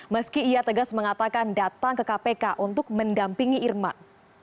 meski ia tegas mengatakan datang ke kpk untuk mendampingi irman